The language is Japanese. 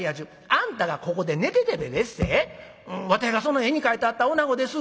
あんたがここで寝ててででっせ『わてがその絵に描いてあったおなごです』